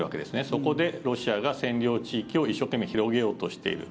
そこで、ロシアが占領地域を一生懸命広げようとしている。